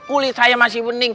kulit saya masih bening